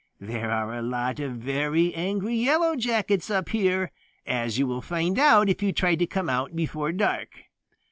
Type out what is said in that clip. There are a lot of very angry Yellow Jackets up here, as you will find out if you try to come out before dark.